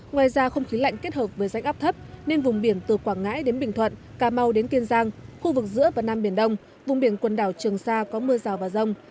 ngoài ra không khí lạnh kết hợp với rãnh áp thấp nên vùng biển từ quảng ngãi đến bình thuận cà mau đến kiên giang khu vực giữa và nam biển đông vùng biển quần đảo trường sa có mưa rào và rông